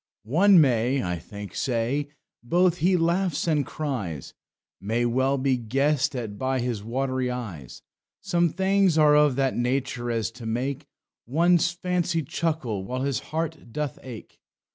"One may (I think) say, both he laughs and cries, May well be guessed at by his watery eyes. Some things are of that nature as to make One's fancy chuckle while his heart doth ake.